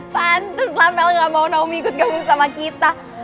pantes lah mel gak mau naomi ikut gabung sama kita